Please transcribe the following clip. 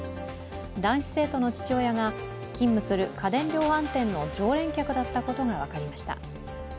男子生徒の父親が勤務する家電量販店の常連客だったことが分かりました。